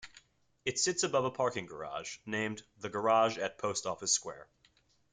It sits above a parking garage, named The Garage at Post Office Square.